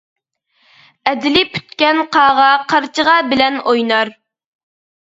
ئەجىلى پۈتكەن قاغا قارچىغا بىلەن ئوينار.